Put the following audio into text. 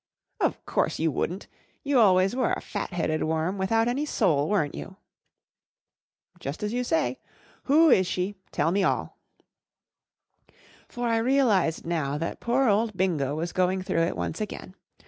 " Of course, you wouldn't. You always were a fat headed worm without any soul, weren't you ?" Just as you say. Who is she ? Tell me all." For I realized now that poor old Bingo was going through it once again.